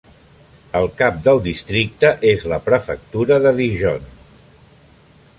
El cap del districte és la prefectura de Dijon.